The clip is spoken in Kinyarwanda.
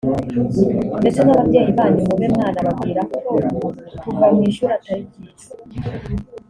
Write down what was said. ndetse n’ababyeyi banyu mube mwanababwira ko kuva mu ishuri atari byiza